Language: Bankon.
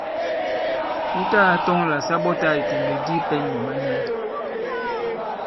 Wu tagā tɔŋ là sa ɓɔtā ìtèmbèk di i pɛ̄n nyǔm-a-nyum.